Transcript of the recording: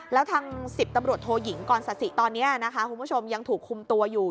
แล้วทาง๑๐ตำรวจโทยิงกรศสิตอนนี้นะคะคุณผู้ชมยังถูกคุมตัวอยู่